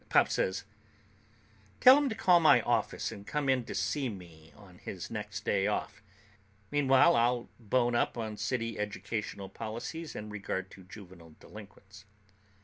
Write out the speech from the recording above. Pop says, "Tell him to call my office and come in to see me on his next day off. Meanwhile, I'll bone up on City educational policies in regard to juvenile delinquents."